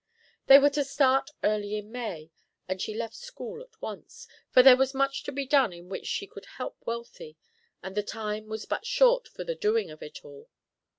They were to start early in May, and she left school at once; for there was much to be done in which she could help Wealthy, and the time was but short for the doing of it all.